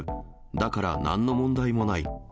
だからなんの問題もない。